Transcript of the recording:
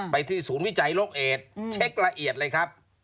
ไปที่ศูนย์วิจัยโรคเอดเช็คละเอียดเลยครับ